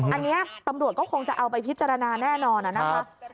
อันนี้ตำรวจก็คงจะเอาไปพิจารณาแน่นอนนะคะ